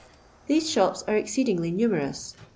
These shops are exceedingly numerous.